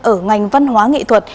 ở ngành văn hóa nghệ thuật